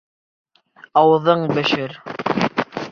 Ауыҙың бешер.